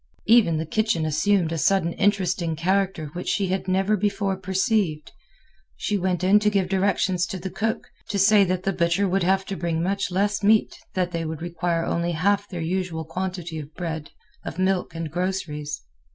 Even the kitchen assumed a sudden interesting character which she had never before perceived. She went in to give directions to the cook, to say that the butcher would have to bring much less meat, that they would require only half their usual quantity of bread, of milk and groceries.